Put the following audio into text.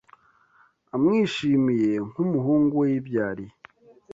amwishimiye nk’umuhungu we yibyariye